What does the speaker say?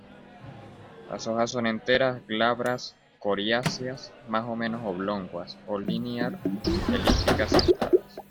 Las hojas son enteras, glabras, coriáceas, más o menos oblongas o linear-elípticas, sentadas.